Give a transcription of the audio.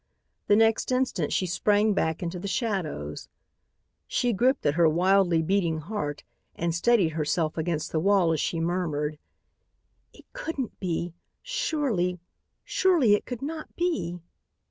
The next instant she sprang back into the shadows. She gripped at her wildly beating heart and steadied herself against the wall as she murmured, "It couldn't be! Surely! Surely it could not be."